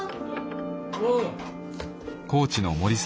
おう。